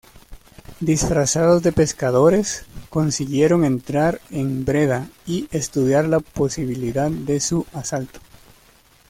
Disfrazados de pescadores consiguieron entrar en Breda y estudiar la posibilidad de su asalto.